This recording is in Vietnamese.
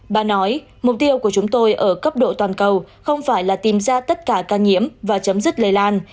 bà nói mục tiêu của chúng tôi ở cấp độ toàn cầu không phải là tìm ra tất cả ca nhiễm và chấm dứt lây lan